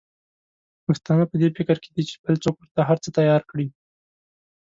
پښتانه په دي فکر کې دي چې بل څوک ورته هرڅه تیار کړي.